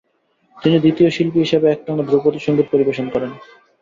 তিনি দ্বিতীয় শিল্পী হিসাবে একটানা ধ্রুপদী সঙ্গীত পরিবেশন করেন।